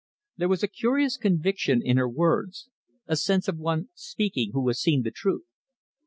There was a curious conviction in her words, a sense of one speaking who has seen the truth.